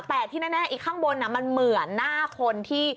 แต่ที่แน่อีกข้างบนมันเหมือนหน้าคนที่